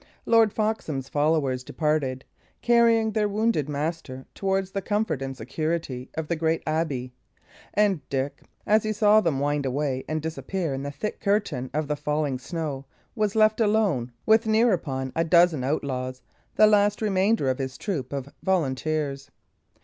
Lord Foxham's followers departed, carrying their wounded master towards the comfort and security of the great abbey; and Dick, as he saw them wind away and disappear in the thick curtain of the falling snow, was left alone with near upon a dozen outlaws, the last remainder of his troop of volunteers.